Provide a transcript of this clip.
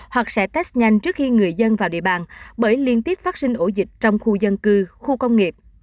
hoặc sẽ test nhanh trước khi người dân vào địa bàn bởi liên tiếp phát sinh ổ dịch trong khu dân cư khu công nghiệp